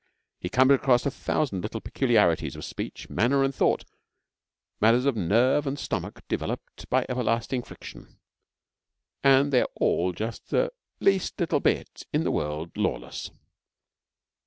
He comes across a thousand little peculiarities of speech, manner, and thought matters of nerve and stomach developed by everlasting friction and they are all just the least little bit in the world lawless.